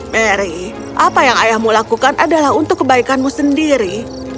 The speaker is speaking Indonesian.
mary apa yang ayahmu lakukan adalah untuk kebaikanmu sendiri